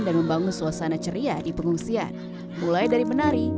dan membangun suasana ceria di pengungsian mulai dari menari